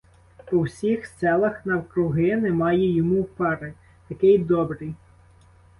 По всіх селах навкруги немає йому пари — такий добрий.